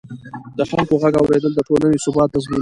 د خلکو غږ اورېدل د ټولنې ثبات تضمینوي